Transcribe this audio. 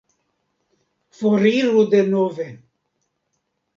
Foriru denove!